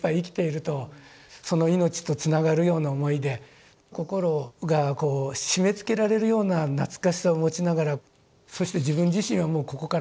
その命とつながるような思いで心がこう締めつけられるような懐かしさを持ちながらそして自分自身はもうここから別れていく。